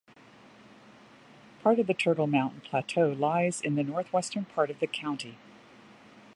Part of the Turtle Mountain plateau lies in the northwestern part of the county.